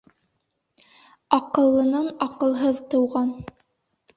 Аҡыллынан аҡылһыҙ тыуған.